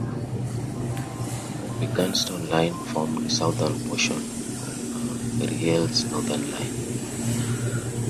The Garston line formed the southern portion of Merseyrail's Northern Line.